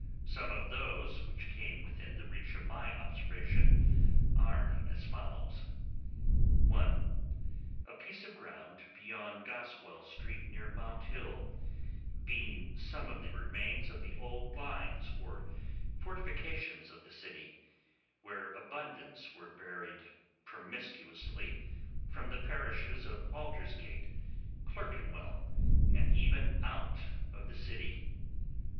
Some of those which came within the reach of my observation are as follow: (1) A piece of ground beyond Goswell Street, near Mount Mill, being some of the remains of the old lines or fortifications of the city, where abundance were buried promiscuously from the parishes of Aldersgate, Clerkenwell, and even out of the city.